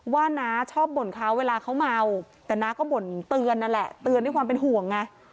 น้าชอบบ่นเขาเวลาเขาเมาแต่น้าก็บ่นเตือนนั่นแหละเตือนด้วยความเป็นห่วงไง